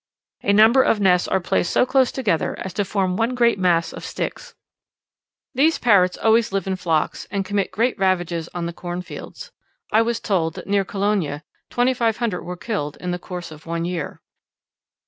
A number of nests are placed so close together as to form one great mass of sticks. These parrots always live in flocks, and commit great ravages on the corn fields. I was told, that near Colonia 2500 were killed in the course of one year.